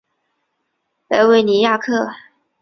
莱维尼亚克。